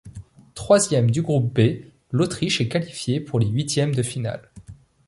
Troisième du Groupe B, l'Autriche est qualifiée pour les huitièmes de finale.